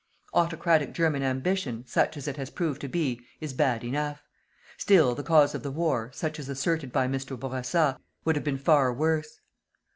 Autocratic German ambition, such as it has proved to be, is bad enough. Still the cause of the war, such as asserted by Mr. Bourassa, would have been far worse.